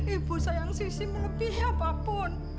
ibu sayang sisi melebihi apapun